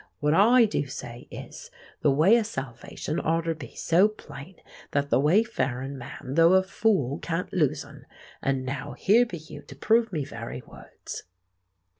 What I do say is, the way o' salvation oughter be so plain that th' wayfarin' man, though a fool, can't lose un. An' now here be you to prove me very words!"